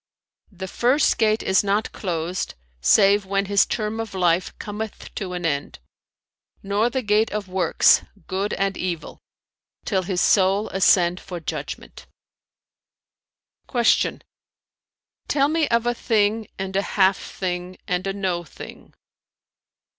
The first gate is not closed, save when his term of life cometh to an end, nor the gate of works, good and evil, till his soul ascend for judgment.'" Q "Tell me of a thing and a half thing and a no thing."